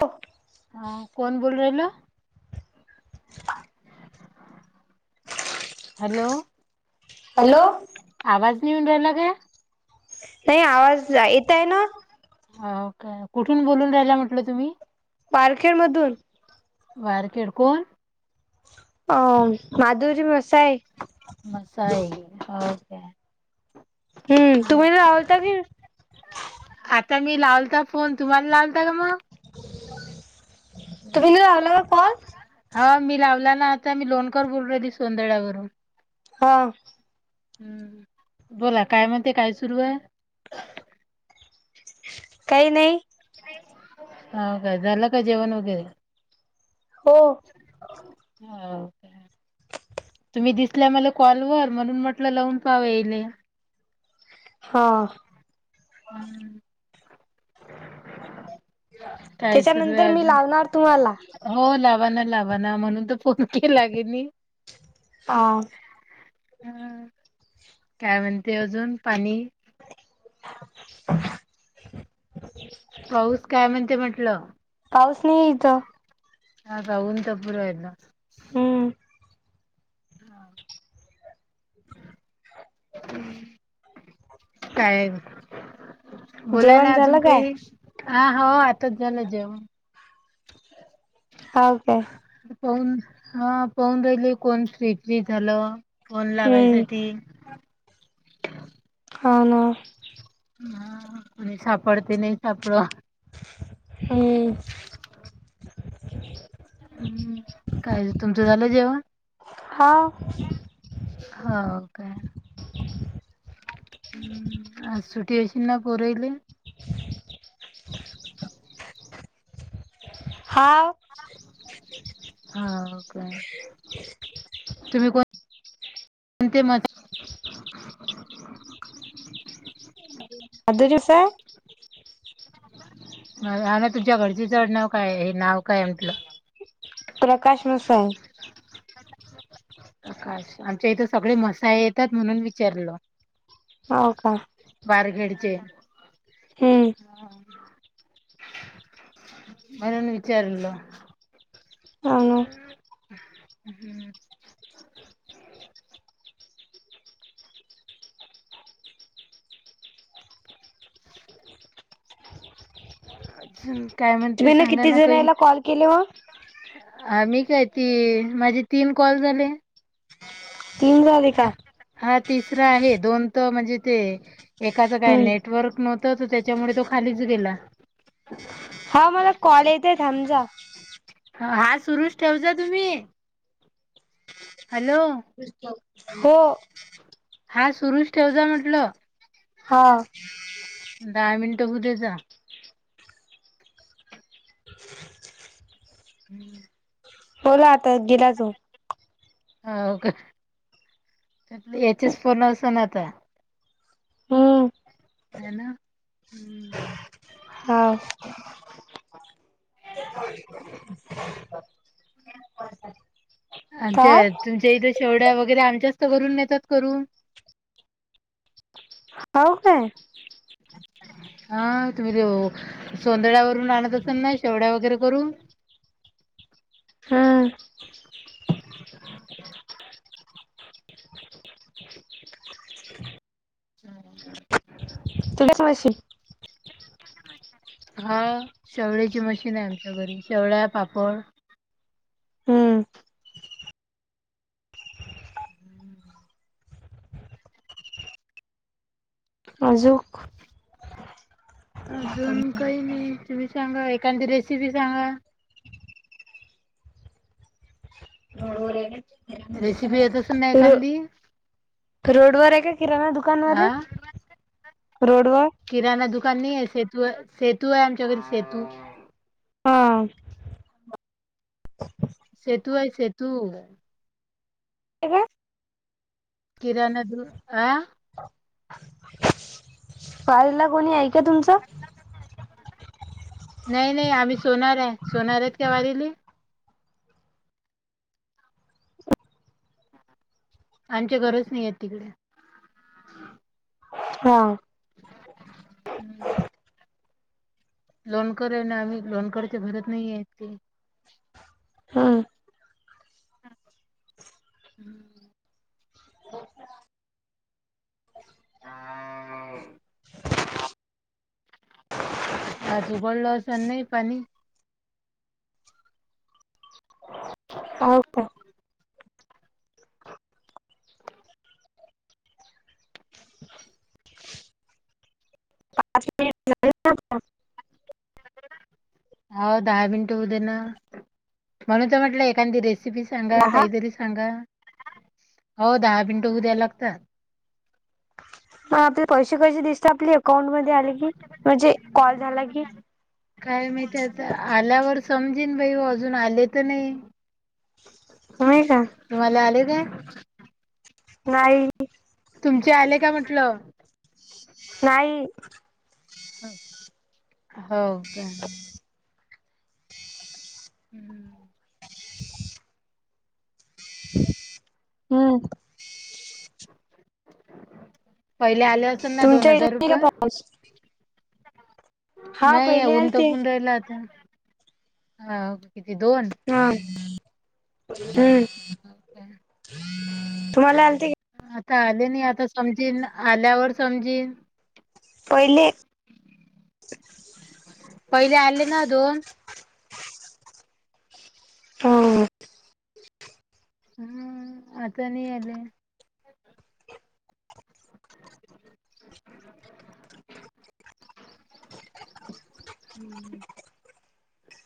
हो. हा कोण बोलू राहिल? हॅलो. हॅलो. आवाज नेऊन राहिला काय. नाही आवाज येत आहे ना. काे कुठून बोलून राहियला म्हटलं तुम्ही. पालखेड मधून. वारकेडकोण. अ माधुरी मसाय. मसाा ये हो का. हम्म तुम्ही राहलता कि. मी लावलता फोन तुम्हाला लावलता का मग. तुमही न भाल कण. हा मी लावला ना आता मी लोनकर बोललो दि सोंदळवरून. हा. हम्म बोला काय म्हणते काय सुरू आहे. काही नाही. हो काय झालं काय जेवण वगैरे हो हा. दिसल्या मला कॉलवर म्हणुन म्हटलं लावुन पावेले हा. काही सुरू त्याच्यानंतर आहे मी अजुन लावणार तुम्हाला हो लावाना लावा. ना म्हणुन तर फोन केला ग मी हा. ह काय म्हणते अजुन पाणी. अ पाऊस काय म्हणते म्हटलं. पाऊस नाही इथं. अन ऎंटिलेजेबल हम्म काय? बोलायला जेवण अजुन झालं काय काही हा हो आताच झालं जेवण. ओके पाहन हा पाहुन राहिले कोण फ्री फ्री झाल. फोन हम्म लावायसाठी. हो ना. हा कोणी सापडते नाहीय सापडवा हम्. हम्म काय तुमच झाल जेवण. हा हो का. हम् आज सुट्टी असेल पोराले. अन ऎंटिलेजेबल हा. हा का तुम्ही कोण ते म्हे अन ऎंटिलेजेबल अन ऎंटिलेजेबल ना तुमच्या घरच्यांच काय आडनाव काय हे नाव काय म्हटलं. प्रकाश मसाई आकाश आमच्या इथं सगळे मसाळे येतात म्हणून विचारलं. हव का? ओके. हम्म म्हणुन विचारल. हो ना हम् हम्म. अ काय म्हणते तुम्ही सांगा किती ना काही जणाला कॉल केले मग आम्ही मी आहे ती माझे तीन कॉल झाले. तीन झाले का? दुसरा आहे दोन त म्हणजे ते एखाद काय हम्म नेटवर्क नव्हत. त्याच्यामुळे तो खालीच गेला. हा मला कॉलेे येतोय थांबआहे समजा. हा सुरुच ठेव जा तुम्ही हॅलो. हो. हा सुरुच ठेव जा म्हटलं. हा. उदे जा. [unintelligible] बोला आता गेला तो हो का याचेच फोन आसन आता हम्म आहे ना हम्म. ह. [unintelligible] काय आमच्या तुमच्या इथ. शेवड्या वगैरे आमच्याच तर घरून नेतात करून हव काय? [unintelligible] [unintelligible] हां. [unintelligible] [unintelligible] हा शेवळ्याची मशीन आहे आमच्या घरी शेवळ्या पापड हम्म अजुक अजून काही नाही तुम्ही सांगा एखादी रेसिपी सांगा. रेसिपी येत. ना रो एकांदी रोडवर आहे का किराणा दुकानवाले अ रोडवर किराणा दुकान नाही आहे सेतू सेतू आहे आमच्या घरी सेतू हा सेतू आहे सेतू [unintelligible] किराण आ. कोणी आहे का तुमचं. नाही नाही अम्हि सोनार आहे सोनार. [unintelligible] आमच्या घरच नाहीय तिकडे. हा. हम्म. लोनकर हाय ना आम्ही लोनकरचे घरच नाहीय. हा. [unintelligible] [unintelligible] [unintelligible] [unintelligible] आज उघडलो असन नाही पाणी [unintelligible] होवू का? पाच मिनिट हो दहा मिनट होऊ दे ना म्हणूनच म्हटलं एखादी रेस रेसिपी सांगा दहा काहीतरी सांगा. हो दहा मिनटं होवू दयाल लागतय. आपले पैसे कसे दिसते आपले अकाउंट मध्ये आले की म्हणजे कॉल झाला की, काय माहिती आता [inaudible] आल्यावर समजेन बाई अजून आले तर नाय नाही का तुम्हाला आले काय? [inaudible] नाही. तुमचे आले का म्हटलं? नाही. हो हो काय? हम्म.. [inaudible] हम्म [inaudible] ते आल असल ना दोन तुमच्या इथे हजार नाही का रुपये पाऊस? हा नाही पहिले ऊन आलते. तापून राहिला आता हा किती दोन हा [inaudible] हम्म तुम्हाला आले थे आता आले नाही आता समजीन आल्यावर समजीन. पहिले? [inaudible] पहिले आले ना दोन? हम्म हम्म आता नाही आले. [inaudible] [inaudible]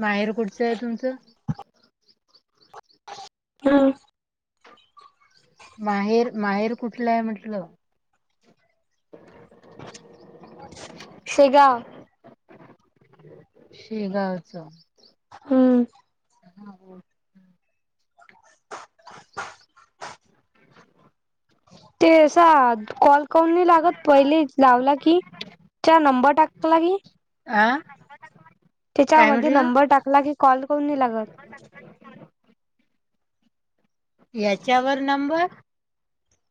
माहेर कुठचं आहे तुमचं? हम्म माहेर माहेर कुठलं आहे म्हटलं? [inaudible] शेगाव [inaudible] शेगावच हम्म ते अस कॉल करून नाही लागत पहिले लावला की चा नंबर टाकला की? आं.. त्याच्यामध्ये नंबर टाकला की कॉल करून न लागत. याच्यावर नंबर?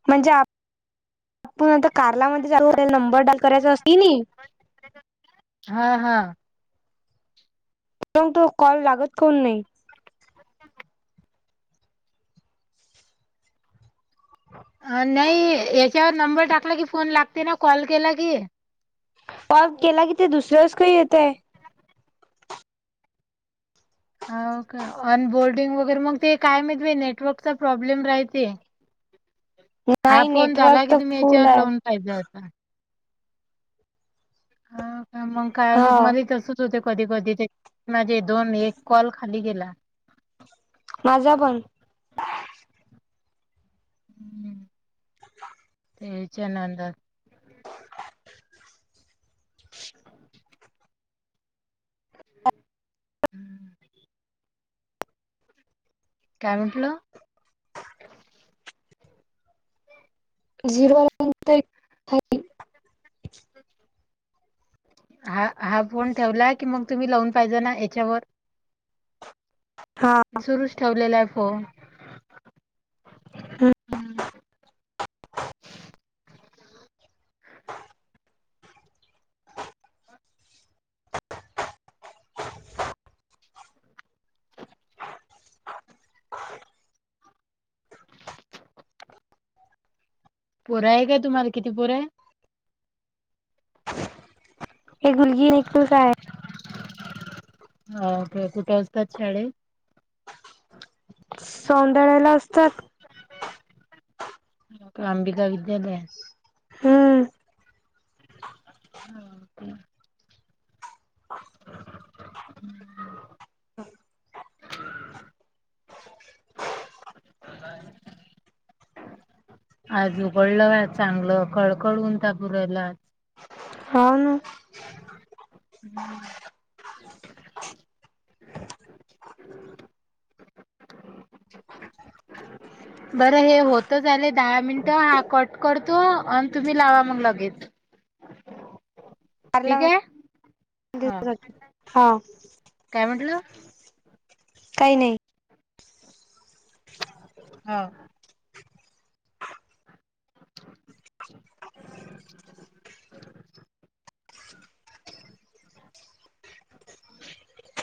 म्हणजे आप आपण कॉल मध्ये चालू नंबर डायल करायचा असतील नी हा हा [unintelligible] तो कॉल लागत काऊन नाही? अ नाही याच्यावर नंबर टाकला की फोन लागते ना कॉल केला की. कॉल केला की ते दुसरच काही येतय? ह का अन बोर्डिंग वगैरे मग ते काय म्हणते नेटवर्कचा प्रॉब्लेम राहते. हा नाही फोन झाला नेटवर्क की तर तुम्ही फुल याच्यावर आहे. लावून पाहिजे होता ह का मग काय हा मला तसच होते. कधी कधी माझे दोन एक कॉल खाली गेला. माझा पण हम्मम् याच्या नादात काय म्हटलं? [unintelligible] हा हा फोन ठेवलाय की मग तुम्ही लावून पाहिजे ना याच्यावर हा सुरुच ठेवलेला आहे फोन. हम्म. [inaudible] पोरं आहे काय तुम्हाला किती पोरं आहे? ही मुलगी एकटीच आहे. हा ते कुठे असतात शाळेत? सौंदळ्याला असतात. प्रांबिका विद्यालया. हम्म. [inaudible] हम्म. [inaudible] आज उघडलं का चांगलं कळकळन ऊन तापू राहिल आज. हो ना. बरं हे होत ले दहा मिनट हा कट करतो आणि तुम्ही लावा मग लगेच. ला ठीक आहे हा हा काय म्हटलं [unintelligible] काही नाही. हो. [unintelligible] [unintelligible]